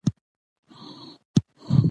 د افغانستان جغرافیه کې نمک ستر اهمیت لري.